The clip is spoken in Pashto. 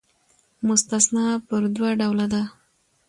مستثنی پر دوه ډوله ده.